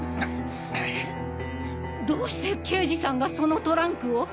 どうして刑事さんがそのトランクを？